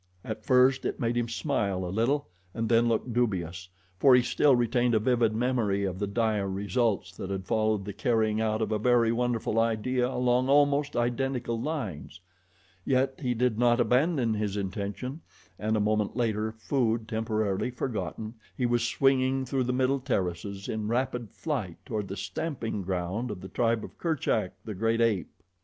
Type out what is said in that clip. At first it made him smile a little and then look dubious, for he still retained a vivid memory of the dire results that had followed the carrying out of a very wonderful idea along almost identical lines, yet he did not abandon his intention, and a moment later, food temporarily forgotten, he was swinging through the middle terraces in rapid flight toward the stamping ground of the tribe of Kerchak, the great ape.